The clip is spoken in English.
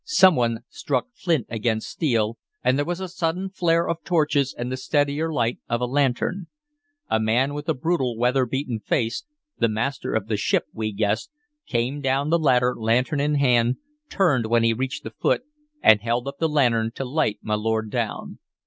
Some one struck flint against steel, and there was a sudden flare of torches and the steadier light of a lantern. A man with a brutal, weather beaten face the master of the ship, we guessed came down the ladder, lantern in hand, turned when he had reached the foot, and held up the lantern to light my lord down.